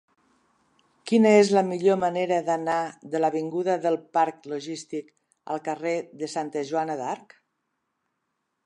Quina és la millor manera d'anar de l'avinguda del Parc Logístic al carrer de Santa Joana d'Arc?